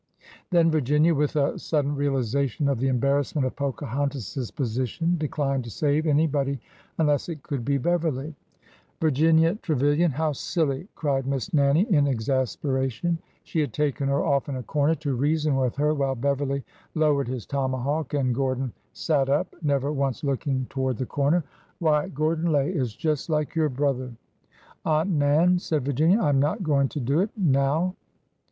Then Virginia, with a sud den realization of the embarrassment of Pocahontas' s position, declined to save anybody unless it could be Beverly. "Virginia Trevilian, how silly!" cried Miss Nannie in exasperation. She had taken her off in a corner to reason with her, while Beverly lowered his tomahawk and 130 ORDER NO. 11 Gordon sat up, never once looking toward the corner. ''Why, Gordon Lay is just like your brother!'' "Aunt Nan," said Virginia, "I'm not going to do it! Now!"